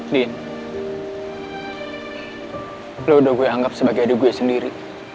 din lo udah gue anggap sebagai adik gue sendiri